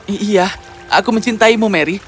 iya aku mencintaimu mary